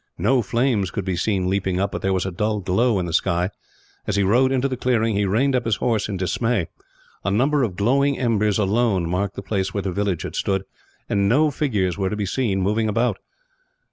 No flames could be seen leaping up, but there was a dull glow in the sky. As he rode into the clearing, he reined up his horse in dismay. A number of glowing embers, alone, marked the place where the village had stood; and no figures were to be seen moving about.